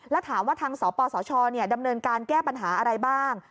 แล้วถามว่าทางสปสชดำเนินการแก้ปัญหาอะไรบ้าง